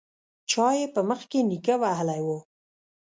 چا يې په مخ کې نيکه وهلی و.